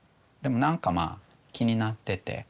でも何かまあ気になってて。